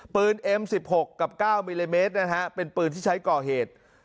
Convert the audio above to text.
ปืนเอ็มสิบหกกับเก้ามิลลิเมตรนะฮะเป็นปืนที่ใช้ก่อเหตุ